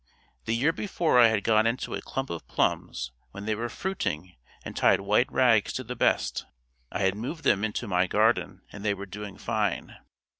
The year before I had gone into a clump of plums when they were fruiting and tied white rags to the best. I had moved them into my garden and they were doing fine.